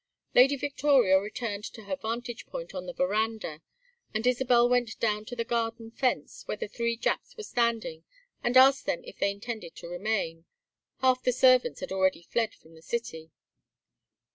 Lady Victoria returned to her vantage point on the veranda, and Isabel went down to the garden fence where the three Japs were standing, and asked them if they intended to remain half the servants had already fled from the city.